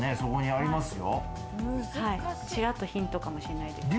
ちらっとヒントかもしれないです。